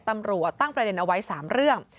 ตำรวจตั้งประเด็นเอาไว้๓เรื่อง